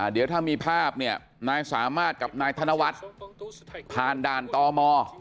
เดี๋ยวถ้ามีภาพเนี่ยนายสามารถกับนายธนวัฒน์ผ่านด่านตม